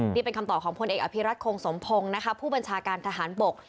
นี่เป็นคำตอบของพลเอกอภิรัตคงสมพงศ์นะคะผู้บัญชาการทหารบก